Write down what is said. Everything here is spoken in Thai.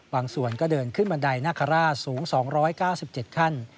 ส่วนก็เดินขึ้นบันไดนาคาราชสูง๒๙๗ขั้น